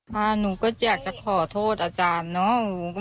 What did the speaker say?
หนูก็อยากจะขอโทษอาจารย์เนอะ